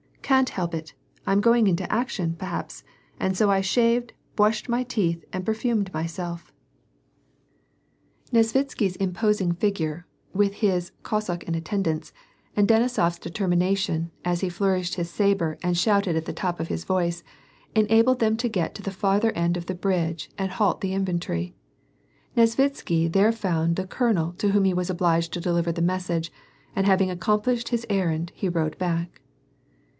"Can't help it! I'm going into action, pe'haps! and so I shaved, bwushed my teeth, and perfumed myself !" WAR AND PEACE. 167 Nesvitsky's imposing figure, with his, Cossack in attendance, and DenisoFs determination, as he flourished his sabre and shouted at the top of his voice, enabled them to get to the far ther end of the bridge and halt the infantry. Nesvitsky there found the coloael to whom he was obliged to deliver the mes sage, and having accomplished his errand he rode back.